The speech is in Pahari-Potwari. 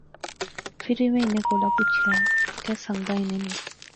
فیر وی میں انیں کولا پچھیا۔۔۔ کہہ سنگ دا انے ناں؟